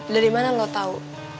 dari mana lo tau